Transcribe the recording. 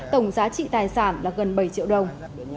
tổng giá trị tài sản là gần bảy triệu đồng